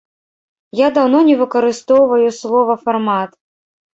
Я даўно не выкарыстоўваю слова фармат.